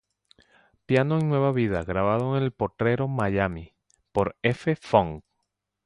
Piano en Nueva vida grabado en El Potrero Miami, por F. Fong.